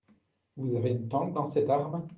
Vous avez une tante dans cette arme ?